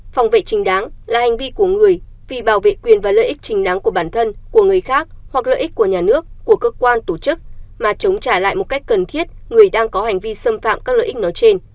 phòng vệ trình đáng là hành vi của người vì bảo vệ quyền và lợi ích chính đáng của bản thân của người khác hoặc lợi ích của nhà nước của cơ quan tổ chức mà chống trả lại một cách cần thiết người đang có hành vi xâm phạm các lợi ích nói trên